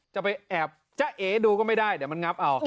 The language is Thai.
จะเอดูก็ไม่ได้เดี๋ยวมันงับเอา